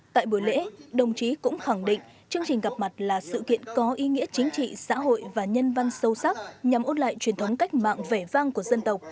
tại buổi lễ đồng chí cũng khẳng định chương trình gặp mặt là sự kiện có ý nghĩa chính trị xã hội và nhân văn sâu sắc nhằm ôn lại truyền thống cách mạng vẻ vang của dân tộc